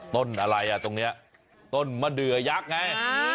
ต้นอะไรอ่ะตรงนี้ต้นมะเดือยักษ์ไง